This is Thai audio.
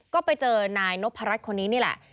ก็ไปเจอนายนพรัชคนนี้นี่แหละ